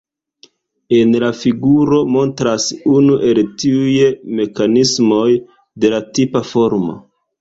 En la figuro montras unu el tiuj mekanismoj, de la tipa formo.